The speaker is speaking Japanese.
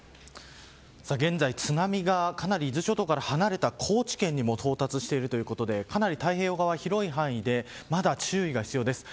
現在、津波がかなり伊豆諸島から離れた高知県にも到達しているということで太平洋側広い範囲で注意が必要です。